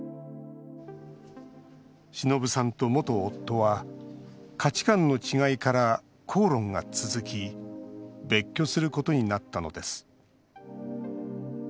忍さんと元夫は価値観の違いから口論が続き別居することになったのです。